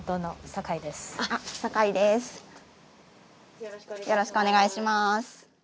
よろしくお願いします。